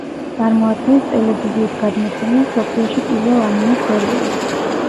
წარმოადგენს ტელევიზიით გადმოცემულ მსოფლიოში პირველ ანიმე სერიალს.